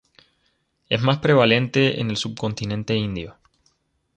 Es más prevalente en el subcontinente indio.